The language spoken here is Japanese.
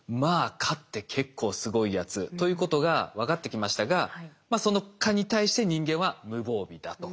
蚊って結構すごいやつということが分かってきましたがその蚊に対して人間は無防備だと。